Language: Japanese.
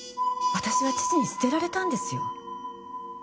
私は父に捨てられたんですよ。